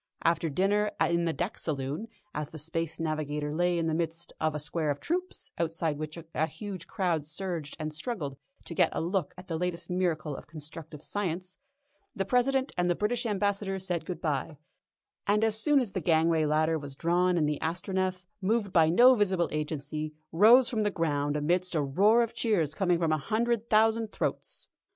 After dinner in the deck saloon, as the Space Navigator lay in the midst of a square of troops, outside which a huge crowd surged and struggled to get a look at the latest miracle of constructive science, the President and the British Ambassador said goodbye, and as soon as the gangway ladder was drawn in the Astronef, moved by no visible agency, rose from the ground amidst a roar of cheers coming from a hundred thousand throats.